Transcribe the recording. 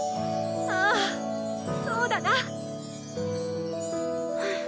ああそうだな！